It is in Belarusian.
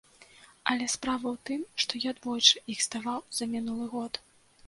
Але справа ў тым, што я двойчы іх здаваў за мінулы год.